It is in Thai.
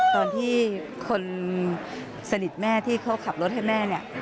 ตอนที่คนสนิทแม่ที่เขาขับรถให้แม่เนี่ย